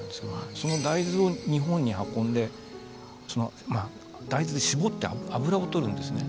その大豆を日本に運んで大豆しぼって油を採るんですね。